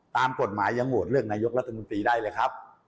ตามกฎหมายยังโหวตเลือกนายกรัฐมนตรีได้เลยครับ